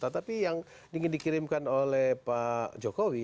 tapi yang ingin dikirimkan oleh pak jokowi